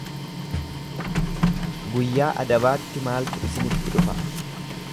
Guyyaa adabaatti maaltu isinitti dhufa?